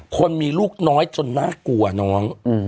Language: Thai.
คนมีลูกน้อยจนน่ากลัวน้อง